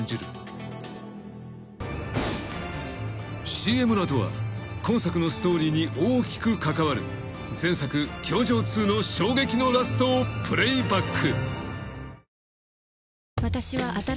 ［ＣＭの後は今作のストーリーに大きく関わる前作『教場Ⅱ』の衝撃のラストをプレイバック］